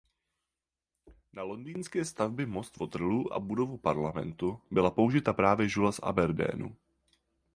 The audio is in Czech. Na londýnské stavby most Waterloo a budovu parlamentu byla použita právě žula z Aberdeenu.